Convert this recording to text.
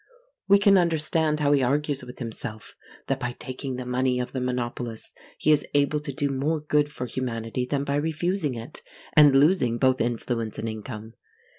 We can understand how he argues with himself, that by taking the money of the monopolists, he is able to do more good for humanity than by refusing it, and losing both influence and income.